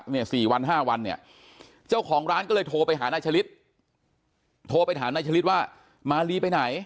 เนี่ย๔วัน๕วันเนี่ยเจ้าของร้านก็เลยโทรไปหานายฉลิดโทรไปถามนายฉลิดว่ามาลีไปไหน